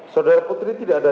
saudara putri tidak ada